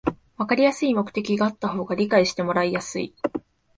わかりやすい目的があった方が理解してもらいやすい